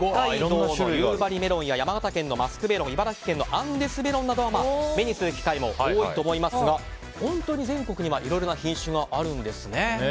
夕張メロンや山形県のマスクメロンや茨城県のアンデスメロンなどは目にする機会もあると思いますが本当に全国にはいろんな品種があるんですね。